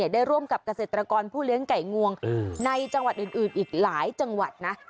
ได้ร่วมกับเกษตรกรผู้เลี้ยงไก่งวงในจังหวัดอื่นอีกหลายจังหวัดนะ